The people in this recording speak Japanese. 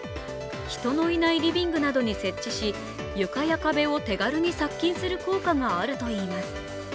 人のいないリビングなどに設置し床や壁を手軽に殺菌できるといいます。